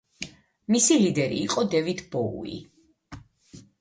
მისი ლიდერი იყო დევიდ ბოუი.